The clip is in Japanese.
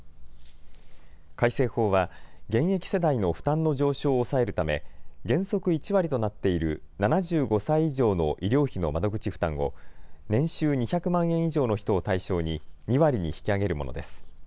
改正法は現役世代の負担の上昇を抑えるため原則１割となっている７５歳以上の医療費の窓口負担を年収２００万円以上の人を対象に２割に引き上げるものです。